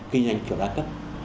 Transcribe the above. kinh doanh kiểu đa cấp